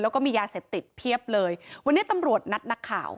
แล้วก็มียาเสพติดเพียบเลยวันนี้ตำรวจนัดนักข่าว